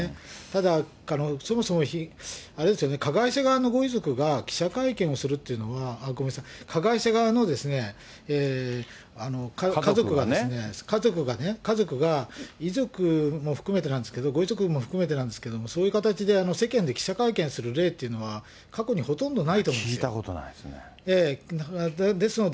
ただ、そもそもあれですよね、加害者側のご遺族が記者会見をするというのは、ごめんなさい、加害者側の家族が、家族が、遺族も含めてなんですけれども、ご遺族も含めてなんですけど、そういう形で、世間で記者会見する例というのは、過去にほとんどないと思うんです聞いたことないですね。